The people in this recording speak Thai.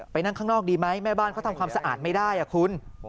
นั่งข้างนอกดีไหมแม่บ้านเขาทำความสะอาดไม่ได้คุณ